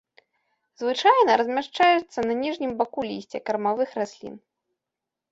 Звычайна размяшчаецца на ніжнім баку лісця кармавых раслін.